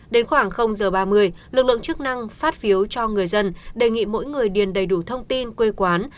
đến khoảng h ba mươi lực lượng chức năng phát phiếu cho người dân đề nghị mỗi người điền đầy đủ thông tin quê quán